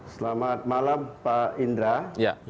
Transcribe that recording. selamat malam pak indra